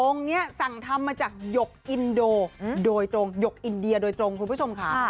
นี้สั่งทำมาจากหยกอินโดโดยตรงหยกอินเดียโดยตรงคุณผู้ชมค่ะ